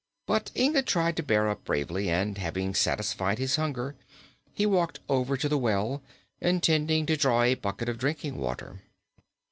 But Inga tried to bear up bravely, and having satisfied his hunger he walked over to the well, intending to draw a bucket of drinking water.